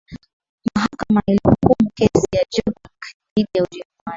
mahakama ilihukumu kesi ya jorgic dhidi ya ujerumani